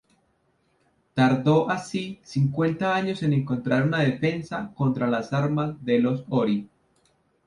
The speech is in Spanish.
Tardó así cincuenta años en encontrar una defensa contra las armas de los Ori.